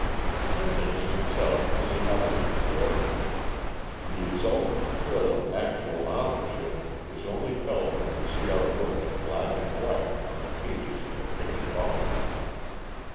Printing in itself is another reward. The exultant thrill of actual authorship is only felt when we see our work in black and white on the pages of the printed volume.